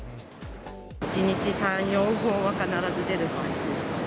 １日３、４本は必ず出る感じですかね。